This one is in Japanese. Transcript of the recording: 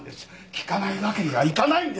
聴かないわけにはいかないんです。